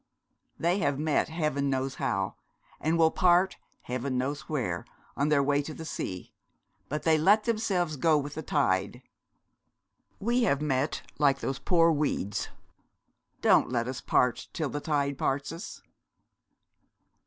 They have met heaven knows how, and will part heaven knows where, on their way to the sea; but they let themselves go with the tide. We have met like those poor weeds. Don't let us part till the tide parts us.'